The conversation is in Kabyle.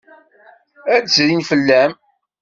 Ad d-zrin fell-am.